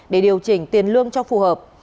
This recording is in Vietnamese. để điều chỉnh tiền lương cho phù hợp